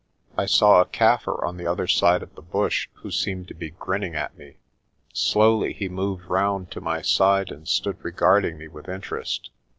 I saw a Kaffir on the other side of the bush who seemed to be grinning at me. Slowly he moved round to my side, and stood regarding me with interest.